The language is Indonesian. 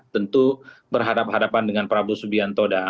tentu berhadapan hadapan dengan prabowo subianto dan pak aga